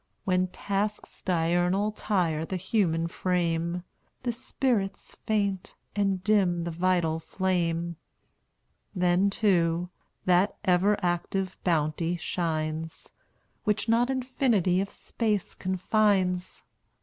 When tasks diurnal tire the human frame, The spirits faint, and dim the vital flame, Then, too, that ever active bounty shines, Which not infinity of space confines.